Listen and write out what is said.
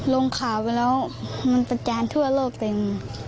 ลงข่าวไปแล้วมันประจานทั่วโลกเต็ม